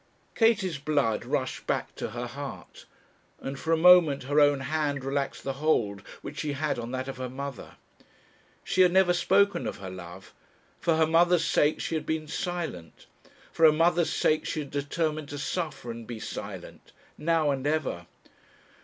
Katie's blood rushed back to her heart, and for a moment her own hand relaxed the hold which she had on that of her mother. She had never spoken of her love; for her mother's sake she had been silent; for her mother's sake she had determined to suffer and be silent now, and ever!